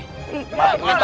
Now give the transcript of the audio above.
gua tau bukti